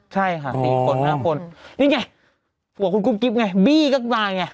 ใช่ค่ะ๔คน๕คนนี่ไงหัวคุณกุ๊บกิ๊บไงบี้ก็มาไง